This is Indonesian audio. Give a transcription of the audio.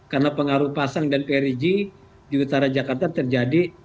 karena pengaruh pasang dan prg di utara jakarta terjadi